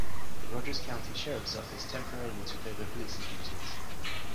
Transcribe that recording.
The Rogers County Sheriff's Office temporarily took over policing duties.